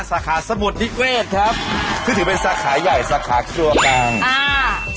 สาขาสมุทรนิเวศครับคือถือเป็นสาขาใหญ่สาขาครัวกลางอ่า